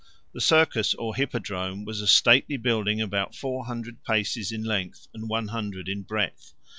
46 The Circus, or Hippodrome, was a stately building about four hundred paces in length, and one hundred in breadth.